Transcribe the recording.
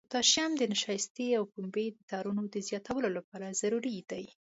پوتاشیم د نشایستې او پنبې د تارونو د زیاتوالي لپاره ضروري دی.